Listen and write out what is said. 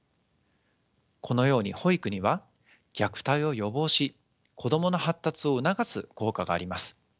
このように保育には虐待を予防し子どもの発達を促す効果があります。